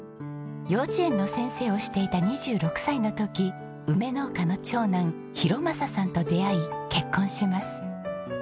幼稚園の先生をしていた２６歳の時梅農家の長男博正さんと出会い結婚します。